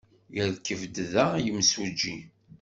Yerkeb-d da yimsujji?